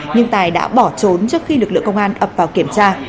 nhưng tài đã bỏ trốn trước khi lực lượng công an ập vào kiểm tra